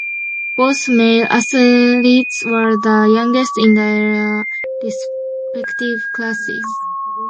Both male athletes were the youngest in their respective classes.